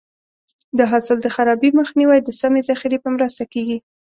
د حاصل د خرابي مخنیوی د سمې ذخیرې په مرسته کېږي.